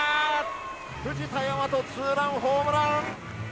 藤田倭、ツーランホームラン。